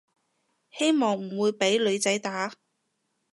希望唔會畀女仔打